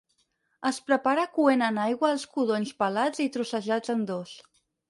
Es prepara coent en aigua els codonys pelats i trossejats en dos.